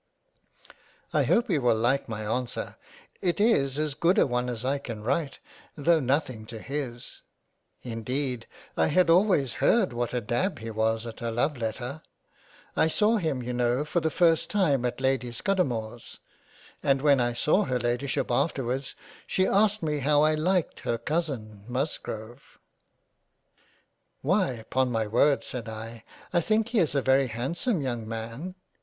I hope he will like my answer ; it is as good a one as I can write though nothing to his ; Indeed I had always heard what a dab he was at a Love letter. I saw him you know for the first time at Lady Scudamores — And when I saw her Ladyship afterwards she asked me how I liked her Cousin Musgrove ? 119 £ JANE AUSTEN JJ " Why upon my word said I, I think he is a very hand some young Man."